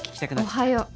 「おはよう！